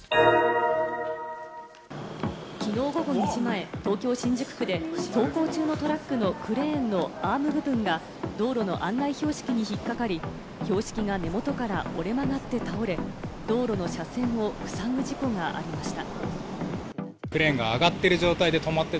きのう午後２時前、東京・新宿区で走行中のトラックのクレーンのアーム部分が道路の案内標識に引っかかり、標識が根元から折れ曲がって倒れ、道路の車線をふさぐ事故がありました。